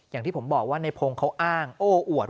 อย่างที่ผมบอกว่าในพงศ์เขาอ้างโอ้อวด